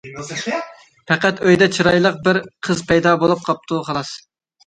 پەقەت ئۆيدە چىرايلىق بىر قىز پەيدا بولۇپ قاپتۇ خالاس.